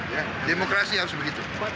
ya demokrasi harus begitu